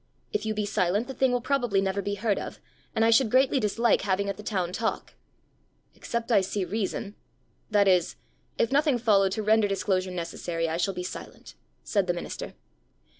If you be silent, the thing will probably never be heard of, and I should greatly dislike having it the town talk." "Except I see reason that is, if nothing follow to render disclosure necessary, I shall be silent," said the minister.